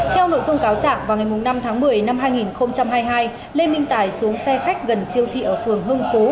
theo nội dung cáo trạng vào ngày năm tháng một mươi năm hai nghìn hai mươi hai lê minh tài xuống xe khách gần siêu thị ở phường hưng phú